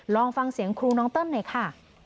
ลองฟังเสียงครูน้องเติ้ลหน่อยค่ะ